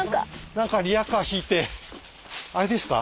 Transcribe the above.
何かリアカー引いてあれですか？